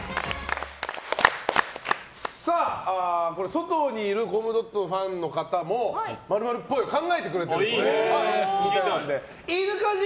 外にいるコムドットのファンの方も○○っぽいを考えてくれるそうなので。